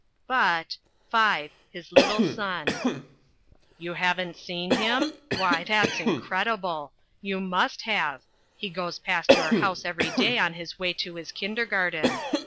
BUT, (V) HIS LITTLE SON You haven't seen him? Why, that's incredible. You must have. He goes past your house every day on his way to his kindergarten.